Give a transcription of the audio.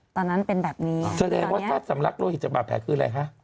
ตอนนั้นเป็นแบบนี้แทนทศว่าสำลักโรหิตจากบาดแผงคือไงครับ